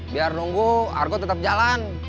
biar nunggu argo tetap jalan